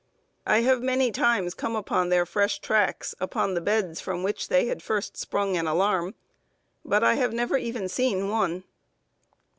I have many times come upon their fresh tracks, upon the beds from which they had first sprung in alarm, but I have never even seen one.